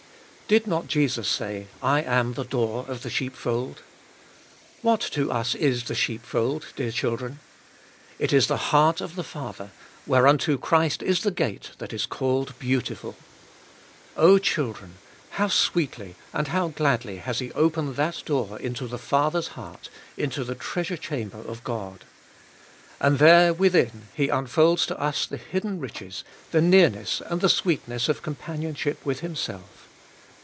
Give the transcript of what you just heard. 2. "Did not Jesus say, 'I am the door of the sheepfold '? What to us is the sheopfold, dear children ? It is the heart of the Father, whereunto Christ is the gate that is called Beautiful. 0 children, how sweetly and how gladly has He opened that door into the Father's heart, into the treasure chamber of God 1 And there within He unfolds to us the hidden riches, the nearness and the sweetness of companionship with Himself."